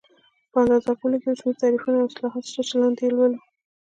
په اندازه کولو کې یو شمېر تعریفونه او اصلاحات شته چې لاندې یې لولو.